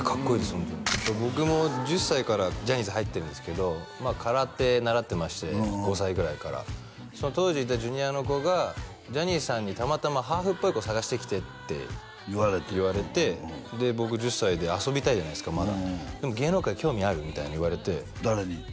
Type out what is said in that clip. ホントに僕も１０歳からジャニーズ入ってるんですけど空手習ってまして５歳ぐらいから当時いたＪｒ．の子がジャニーさんにたまたま「ハーフっぽい子探してきて」って言われてで僕１０歳で遊びたいじゃないですかまだでも「芸能界興味ある？」みたいに言われて誰に？